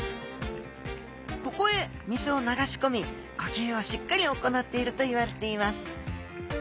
ここへ水を流しこみ呼吸をしっかり行っているといわれています。